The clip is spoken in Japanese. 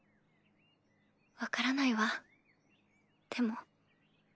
分からないわでも。